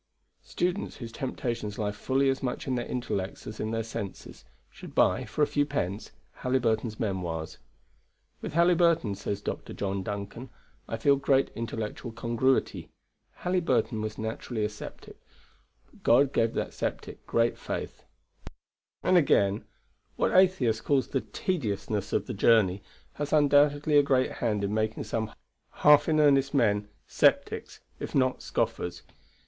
Students, whose temptations lie fully as much in their intellects as in their senses, should buy (for a few pence) Halyburton's Memoirs. "With Halyburton," says Dr. John Duncan, "I feel great intellectual congruity. Halyburton was naturally a sceptic, but God gave that sceptic great faith." Then again, what Atheist calls the "tediousness" of the journey has undoubtedly a great hand in making some half in earnest men sceptics, if not scoffers.